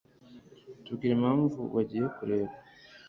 Tubwire impamvu wagiye kureba